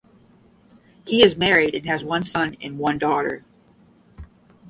He is married and has one son and one daughter.